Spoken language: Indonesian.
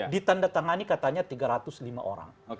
ditandatangani katanya tiga ratus lima orang